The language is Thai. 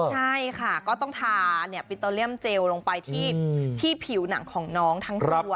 ใช่ค่ะก็ต้องทาปิโตเรียมเจลลงไปที่ผิวหนังของน้องทั้งตัว